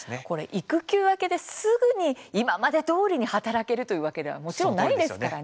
育休明けですぐに今までどおりに働けるというわけではもちろんないですからね。